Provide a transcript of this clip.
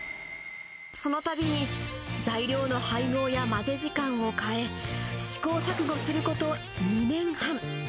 そのたびに材料の配合や混ぜ時間を変え、試行錯誤すること２年半。